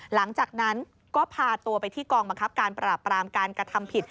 หลังจากนั้นก็พาตัวไปที่กองบังคับการปราบปรามการกระทำผิด